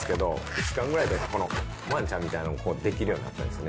１週間くらいで、このわんちゃんみたいなの、できるようになったんですよね。